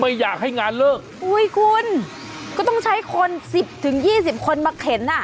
ไม่อยากให้งานเลิกอุ้ยคุณก็ต้องใช้คนสิบถึงยี่สิบคนมาเข็นอ่ะ